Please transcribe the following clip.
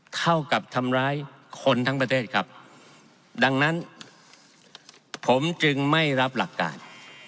เท่ากับทำร้ายคนทั้งประเทศครับดังนั้นผมจึงไม่รับหลักการ